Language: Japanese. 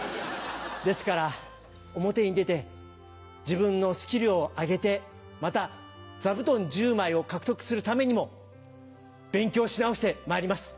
ですから、表に出て、自分のスキルを上げて、また座布団１０枚を獲得するためにも、勉強し直してまいります。